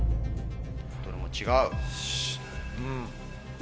どれも違う？